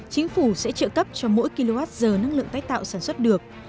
chính phủ sẽ trợ cấp cho mỗi kwh năng lượng tái tạo sản xuất được